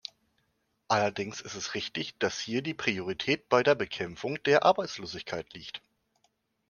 Allerdings ist es richtig, dass hier die Priorität bei der Bekämpfung der Arbeitslosigkeit liegt.